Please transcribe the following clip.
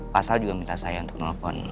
pasal juga minta saya untuk nelpon